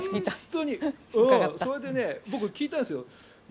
それで僕、聞いたんですよ。